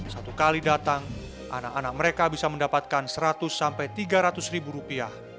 satu kali datang anak anak mereka bisa mendapatkan seratus sampai tiga ratus ribu rupiah